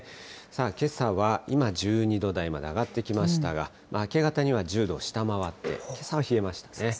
けさは今１２度台まで上がってきましたが、明け方には１０度を下回って、けさは冷えましたね。